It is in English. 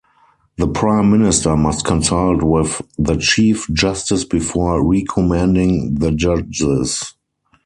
The prime minister must consult with the Chief Justice before recommending the judges.